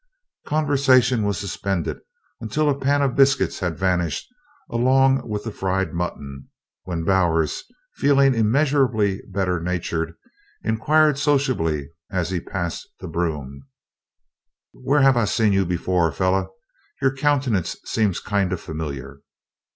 Conversation was suspended until a pan of biscuits had vanished along with the fried mutton, when Bowers, feeling immeasurably better natured, inquired sociably as he passed the broom: "Where have I saw you before, feller? Your countenance seems kind of familiar."